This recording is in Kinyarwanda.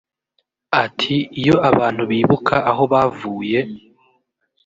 Ati "Iyo abantu bibuka aho bavuye